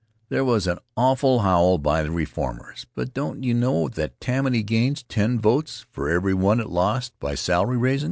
There was an awful howl by the reformers, but don't you know that Tammany gains ten votes for every one it lost by salary raisin'?